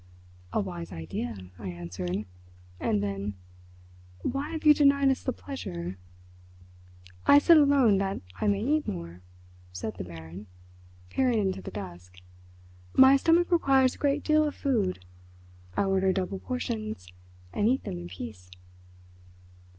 "A wise idea," I answered. And then: "Why have you denied us the pleasure—" "I sit alone that I may eat more," said the Baron, peering into the dusk; "my stomach requires a great deal of food. I order double portions, and eat them in peace."